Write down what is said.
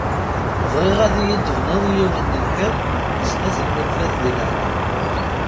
Bɣiɣ ad iyi-tebnuḍ yiwen n lḥiḍ n snat lmitrat di leɛli.